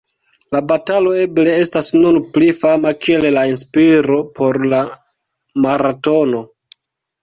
La batalo eble estas nun pli fama kiel la inspiro por la maratono.